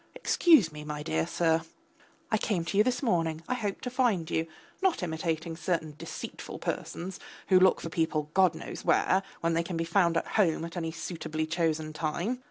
Excuse me, my dear sir ... I came to you this morning, I hoped to find you, not imitating certain deceitful persons who look for people, God knows where, when they can be found at home at any suitably chosen time.